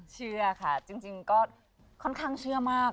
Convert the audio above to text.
เชื่อค่ะจริงก็ค่อนข้างเชื่อมาก